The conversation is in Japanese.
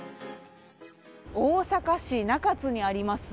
大阪市中津にあります